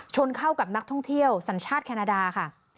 เข้ากับนักท่องเที่ยวสัญชาติแคนาดาค่ะ